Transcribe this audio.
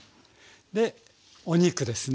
でお肉ですね。